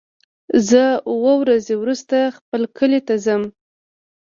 زه اووه ورځې وروسته خپل کلی ته ځم.